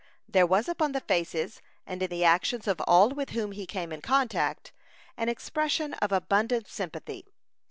There was upon the faces and in the actions of all with whom he came in contact, an expression of abundant sympathy.